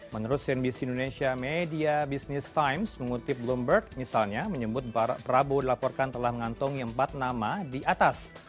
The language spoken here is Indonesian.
menurut cnbcindonesia media bisnis times mengutip bloomberg misalnya menyebut prabowo dilaporkan telah mengantungi empat nama di atas